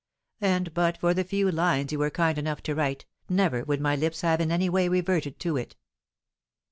And, but for the few lines you were kind enough to write, never would my lips have in any way reverted to it."